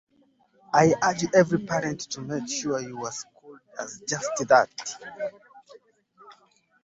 I urge every parent to make sure your school does just that.